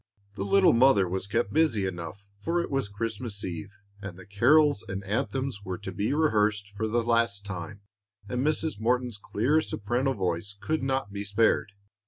The little mother was kept busy enough, for it was Christmas eve, and the carols and anthems were to be rehearsed for the last time, and Mrs. Morton's clear soprano voice could not be spared.